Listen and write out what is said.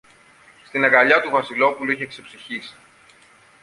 Στην αγκαλιά του Βασιλόπουλου είχε ξεψυχήσει.